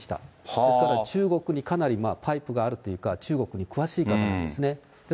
ですから、中国にかなりにパイプがあるというか、中国に詳しい方なんですね。